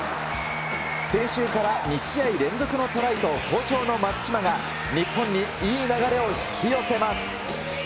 先週から２試合連続のトライと、好調の松島が、日本にいい流れを引き寄せます。